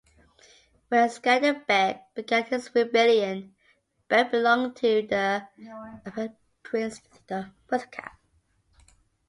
When Skanderbeg began his rebellion, Berat belonged to the Albanian prince Theodore Muzaka.